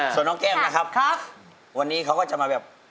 ส่วนน้องแก้มนะครับครับ